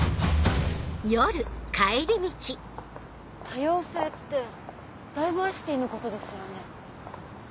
多様性ってダイバーシティのことですよね。